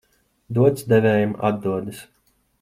Dots devējām atdodas.